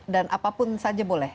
dan apapun saja boleh